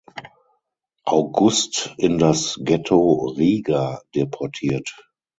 August in das Ghetto Riga deportiert.